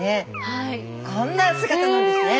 こんな姿なんですね。